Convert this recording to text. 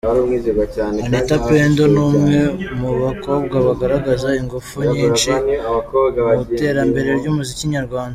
Anitha Pendo ni umwe mu bakobwa bagaragaza ingufu nyinshi mu iterambere ry’umuziki nyarwanda.